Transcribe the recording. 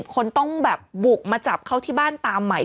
คนต้องแบบบุกมาจับเขาที่บ้านตามใหม่